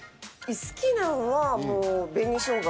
好きなんはもう紅しょうが。